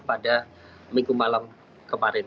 pada minggu malam kemarin